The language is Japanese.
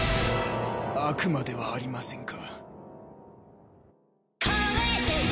悪魔ではありませんか。